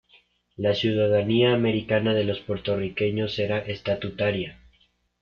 La ciudadanía americana de los puertorriqueños será estatutaria.